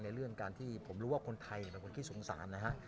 เรื่องการที่ผมรู้ว่าคนไทยเป็นคนขี้สงสารนะฮะ